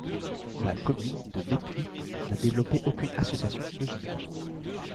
La commune de Mespuits n'a développé aucune association de jumelage.